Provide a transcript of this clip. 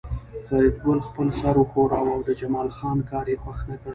فریدګل خپل سر وښوراوه او د جمال خان کار یې خوښ نکړ